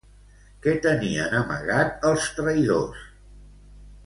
Què tenien amagat els traïdors?